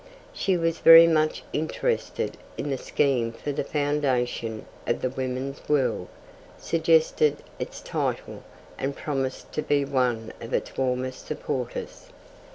She was very much interested in the scheme for the foundation of the Woman's World, suggested its title, and promised to be one of its warmest supporters.